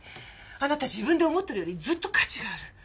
あなた自分で思ってるよりずっと価値がある。